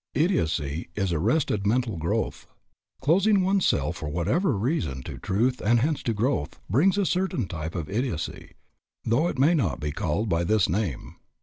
Idiocy is arrested mental growth. Closing one's self for whatever reason to truth and hence to growth, brings a certain type of idiocy, though it may not be called by this name.